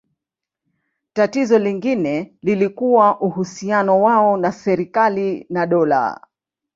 Tatizo lingine lilikuwa uhusiano wao na serikali na dola.